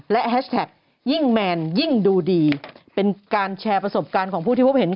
และแฮชแท็กยิ่งแมนยิ่งดูดีเป็นการแชร์ประสบการณ์ของผู้ที่พบเห็น